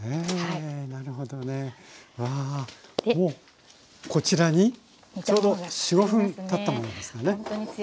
もうこちらにちょうど４５分たったものですかね。